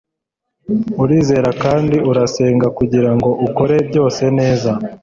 urizera kandi urasenga kugirango ukore byose neza